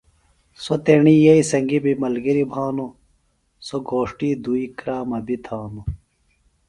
سوۡ تیݨی ییئے سنگیۡ بیۡ ملگِری بھانوۡ۔ سوۡ گھوݜٹی دوئی کرام بیۡ تھانوۡ۔